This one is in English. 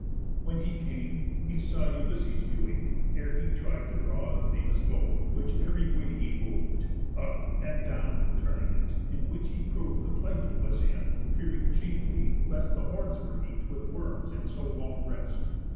When he came, he saw Ulysses viewing, ere he tried to draw, The famous bow, which ev'ry way he mov'd, Up and down turning it; in which be prov'd The plight it was in, fearing, chiefly, lest The horns were eat with worms in so long rest.